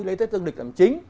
lấy tết dương lịch làm chính